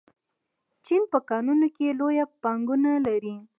چین په کانونو کې لویه پانګونه لري.